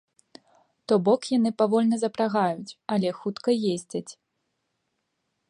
То бок яны павольна запрагаюць, але хутка ездзяць.